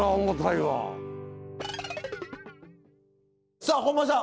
さあ本間さん